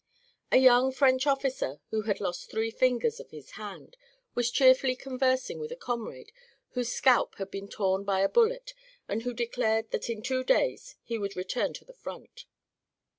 A young French officer who had lost three fingers of his hand was cheerfully conversing with a comrade whose scalp had been torn by a bullet and who declared that in two days he would return to the front.